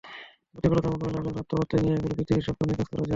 প্রতিকূলতার মোকাবিলা করে আত্মপ্রত্যয় নিয়ে এগোলে পৃথিবীর সবখানেই কাজ করা যায়।